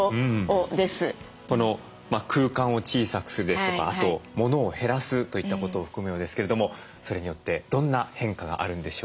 空間を小さくするですとかあと物を減らすといったことを含むようですけれどもそれによってどんな変化があるんでしょうか。